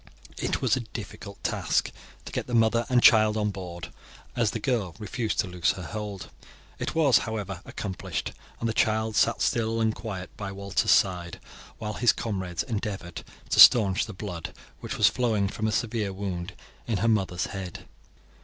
It was a difficult task to get the mother and child on board, as the girl refused to loose her hold. It was, however, accomplished, and the child sat still and quiet by Walter's side, while his comrades endeavoured to stanch the blood which was flowing from a severe wound in her mother's head.